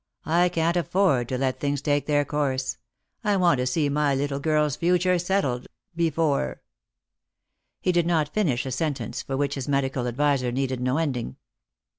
I can't afford to let things take their course. I want to see my little girl's future settled, before —" He did not finish a sentence which for his medical adviser needed no ending.